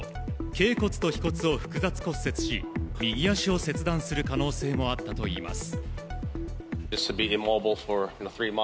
脛骨と腓骨を複雑骨折し右足を切断する可能性もあったといいます。